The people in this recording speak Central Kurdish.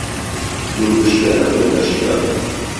دوو پشکه لهخۆی بهشکه